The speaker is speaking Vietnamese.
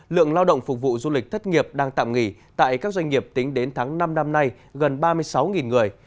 lượng lao động phục vụ du lịch thất nghiệp đang tạm nghỉ tại các doanh nghiệp tính đến tháng năm năm nay gần ba mươi sáu người